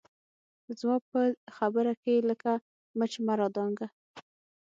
زما په خبره کښې لکه مچ مه رادانګه